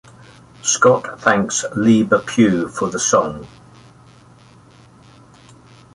Scott thanks Liebe Pugh for the song.